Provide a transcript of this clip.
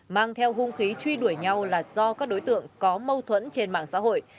mang theo hung khí truy đuổi nhau là do các đối tượng có mâu thuẫn trên mạng xã hội